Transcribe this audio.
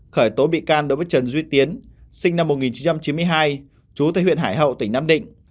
khởi tố bị can đối với trần duy tiến sinh năm một nghìn chín trăm chín mươi hai chú tại huyện hải hậu tỉnh nam định